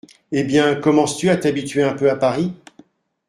Eh bien, commences-tu à t’habituer un peu à Paris ?